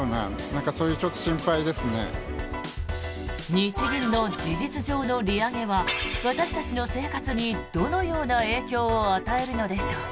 日銀の事実上の利上げは私たちの生活にどのような影響を与えるのでしょうか。